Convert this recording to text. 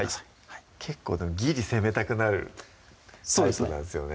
はい結構ギリ攻めたくなるタイプなんですよね